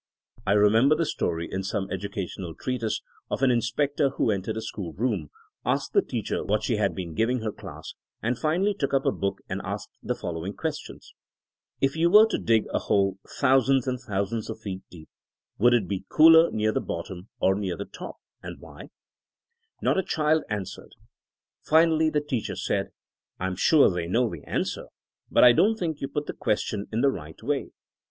I remember the story in some educational treatise of an inspector who entered a school room, asked the teacher what she had been giv ing her class, and finally took up a book and asked the following question, If you were to dig a hole thousands and thousands of feet deep, would it be cooler near the bottom or near the top, and whyT*^ Not a child answered. 204 THINKINa AS A SOIENOE Finally the teacher said, "I'm sure they know the answer but I don't think you put the ques tion in the right way.